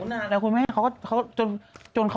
นานแล้วคุณแม่เขาก็จนเขา